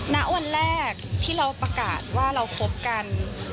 ณวันแรกที่เราประกาศว่าเราคบกัน